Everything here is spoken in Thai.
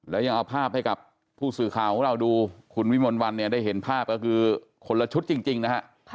แล้วยังเอาภาพให้กับผู้สื่อข่าวของเราดูคุณวิมลวันเนี่ยได้เห็นภาพก็คือคนละชุดจริงนะฮะ